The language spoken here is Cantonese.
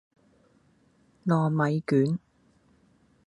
糯米卷